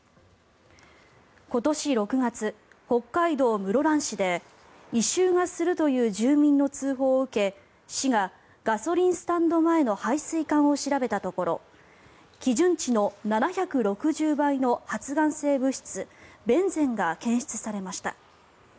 今年６月、北海道室蘭市で異臭がするという住民の通報を受け市が、ガソリンスタンド前の配水管を調べたところ基準値の７６０倍の発がん性物質ベンゼンが検出されました。